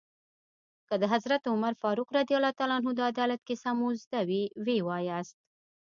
که د حضرت عمر فاروق رض د عدالت کیسه مو زده وي ويې وایاست.